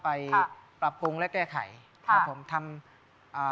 ดิฉันแยกอากางคุณไม่ออก